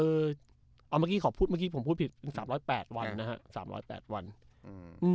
เอาเมื่อกี้ขอพูดเมื่อกี้ผมพูดผิดถึงสามร้อยแปดวันนะฮะสามร้อยแปดวันอืม